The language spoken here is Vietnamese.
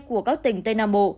của các tỉnh tây nam bộ